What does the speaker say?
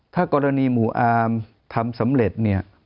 ถ้ากรณีหมู่อามทำสำเร็จ